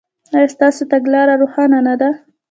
ایا ستاسو تګلاره روښانه نه ده؟